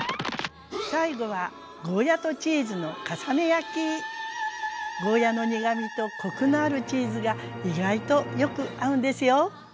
最後はゴーヤーの苦みとコクのあるチーズが意外とよく合うんですよ。